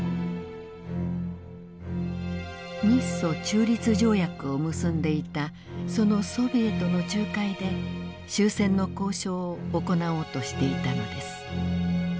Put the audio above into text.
日ソ中立条約を結んでいたそのソビエトの仲介で終戦の交渉を行おうとしていたのです。